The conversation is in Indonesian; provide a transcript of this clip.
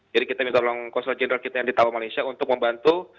jadi kita minta tolong kausel jenderal kita yang di tawang malaysia untuk membantu